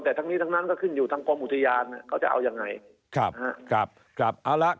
แต่ทั้งนี้ทั้งนั้นก็ขึ้นอยู่ทางกรมอุทยานเขาจะเอายังไงครับนะฮะ